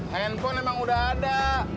handphone emang udah ada